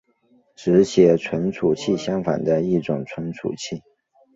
只写存储器相反的一种存储器。